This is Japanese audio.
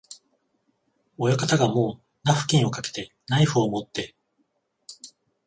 親方がもうナフキンをかけて、ナイフをもって、